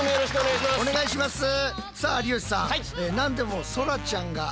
さあ有吉さん